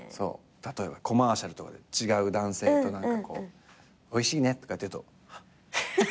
例えばコマーシャルとかで違う男性と何かこう「おいしいね」とかやってるとあっ。